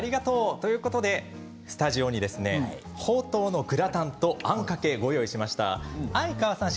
ということでスタジオにほうとうのグラタンとあんかけをご用意しました。